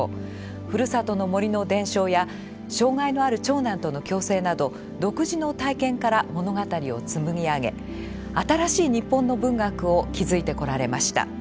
ふるさとの森の伝承や障害のある長男との共生など独自の体験から物語を紡ぎ上げ新しい日本の文学を築いてこられました。